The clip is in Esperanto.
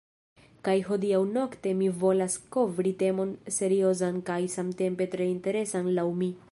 Kaj hodiaŭ nokte mi volas kovri temon seriozan kaj samtempe tre interesan laŭ mi.